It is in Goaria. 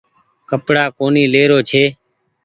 ڪپڙآ ڪونيٚ لي رو ڇي۔